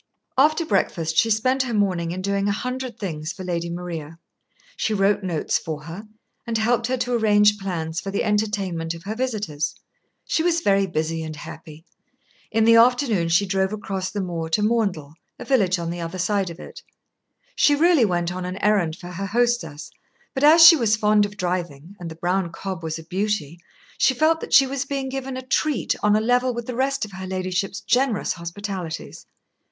After breakfast she spent her morning in doing a hundred things for Lady Maria. She wrote notes for her, and helped her to arrange plans for the entertainment of her visitors. She was very busy and happy. In the afternoon she drove across the moor to Maundell, a village on the other side of it. She really went on an errand for her hostess, but as she was fond of driving and the brown cob was a beauty, she felt that she was being given a treat on a level with the rest of her ladyship's generous hospitalities.